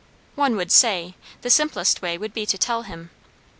One would say, the simplest way would be to tell him!